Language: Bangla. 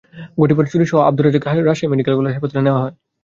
ঘটনার পরে ছুরিসহ আবদুর রাজ্জাককে রাজশাহী মেডিকেল কলেজ হাসপাতালে নেওয়া হয়।